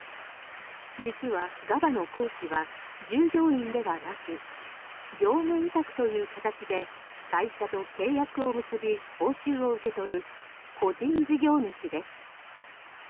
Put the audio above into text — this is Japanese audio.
実はＧａｂａの講師は従業員ではなく業務委託という形で会社と契約を結び報酬を受け取る個人事業主です。